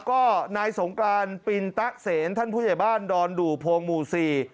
ก็นายสงกรานปินตะเสนท่านผู้ใหญ่บ้านดอนดู่โพงหมู่สี่